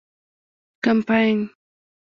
کمپاین